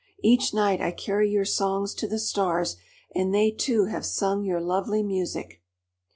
Each night I carry your songs to the Stars, and they too have sung your lovely music."